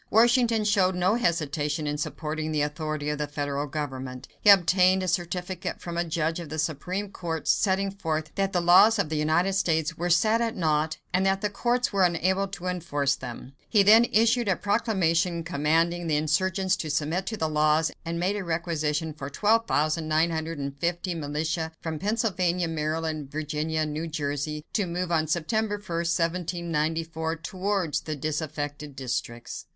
Washington showed no hesitation in supporting the authority of the federal government. He obtained a certificate from a judge of the Supreme Court, setting forth that the laws of the United States were set at naught and that the courts were unable to enforce them. He then issued a proclamation commanding the insurgents to submit to the laws, and made a requisition for 12,950 militia from Pennsylvania, Maryland, Virginia, and New Jersey, to move on September 1, 1794, towards the disaffected districts.